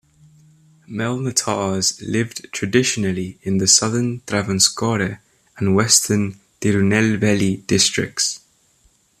Mel-nattars lived traditionally in the Southern Travancore and Western Tirunelveli districts.